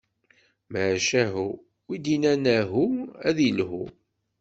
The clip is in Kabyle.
Macahu, win d-innan ahu, ad ilhu.